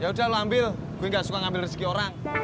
yaudah lo ambil gue nggak suka ngambil rezeki orang